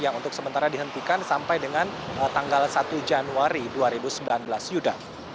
yang untuk sementara dihentikan sampai dengan tanggal satu januari dua ribu sembilan belas yuda